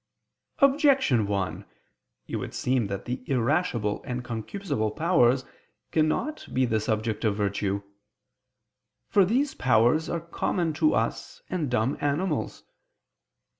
Objection 1: It would seem that the irascible and concupiscible powers cannot be the subject of virtue. For these powers are common to us and dumb animals.